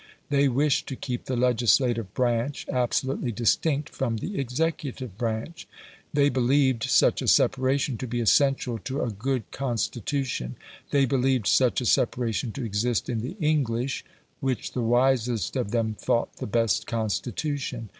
They wished to keep "the legislative branch absolutely distinct from the executive branch"; they believed such a separation to be essential to a good constitution; they believed such a separation to exist in the English, which the wisest of them thought the best Constitution.